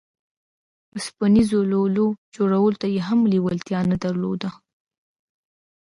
اوسپنيزو لولو جوړولو ته يې هم لېوالتيا نه درلوده.